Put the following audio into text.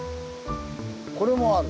これもある。